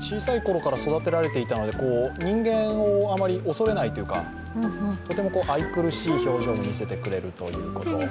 小さいころから育てられていたので人間をあまり恐れないというかとても愛くるしい表情も見せてくれるということ。